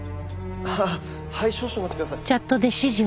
ああはい少々お待ちください。